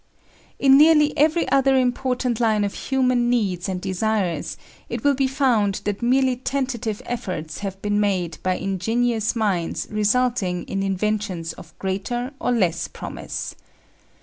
In nearly every other important line of human needs and desires it will be found that merely tentative efforts have been made by ingenious minds resulting in inventions of greater or less promise.